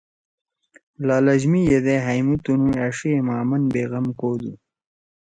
لالچ می یدے ہأئمُو تُنو أݜیئے ما آمن بیغم کودُو۔